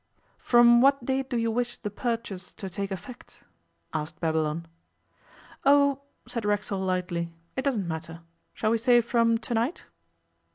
'From what date do you wish the purchase to take effect?' asked Babylon. 'Oh,' said Racksole lightly, 'it doesn't matter. Shall we say from to night?